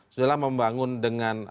sudahlah membangun dengan